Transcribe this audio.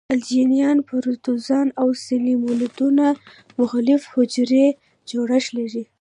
الجیان، پروتوزوا او سلیمولدونه مغلق حجروي جوړښت لري.